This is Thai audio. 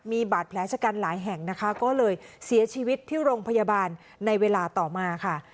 มีบาดแผลชะกันหลายแห่งนะคะก็เลยเสียชีวิตที่โรงพยาบาลในเวลาต่อมาค่ะ